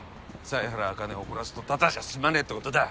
犀原茜を怒らすとただじゃ済まねぇってことだ。